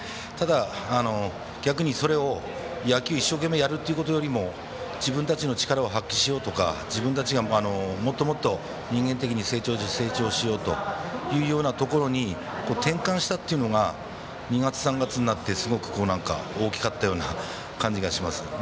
ただ、逆に野球を一生懸命やるということよりも自分たちの力を発揮しようとか自分たちがもっともっと人間的に成長しようというようなところに転換したというのが２月、３月になってすごく大きかったような感じがします。